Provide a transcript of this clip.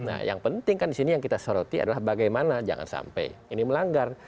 nah yang penting kan di sini yang kita soroti adalah bagaimana jangan sampai ini melanggar